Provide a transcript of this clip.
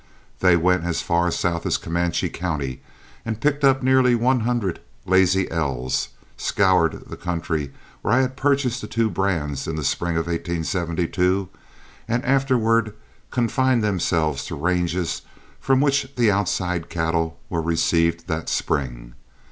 They went as far south as Comanche County and picked up nearly one hundred "Lazy L's," scoured the country where I had purchased the two brands in the spring of 1872, and afterward confined themselves to ranges from which the outside cattle were received that spring.